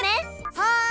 はい！